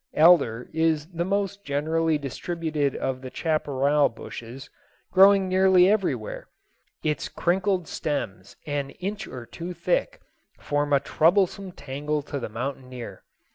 Alder is the most generally distributed of the chaparral bushes, growing nearly everywhere; its crinkled stems an inch or two thick form a troublesome tangle to the mountaineer.